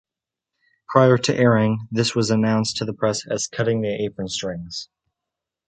Prior to airing, this was announced in the press as "Cutting the Apron Strings".